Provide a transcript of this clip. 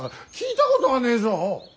聞いたことがねえぞ。